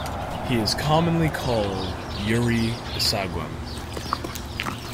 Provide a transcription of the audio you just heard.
He is commonly called Yuri Isageum.